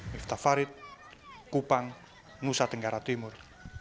miftah farid kupang nusa tenggara timur